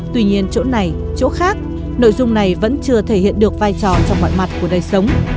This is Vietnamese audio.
tuy nhiên chỗ này chỗ khác nội dung này vẫn chưa thể hiện được vai trò trong mọi mặt của đời sống